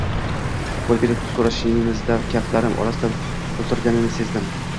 Qoʻl berib soʻrashganimizda kaftlarim orasida pul turganini sezdim